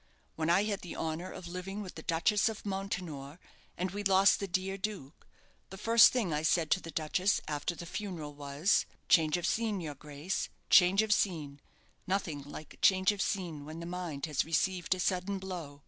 When I had the honour of living with the Duchess of Mountaintour, and we lost the dear duke, the first thing I said to the duchess, after the funeral, was 'Change of scene, your grace, change of scene; nothing like change of scene when the mind has received a sudden blow.'